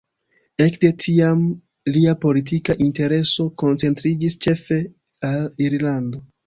Ekde tiam lia politika intereso koncentriĝis ĉefe al Irlando.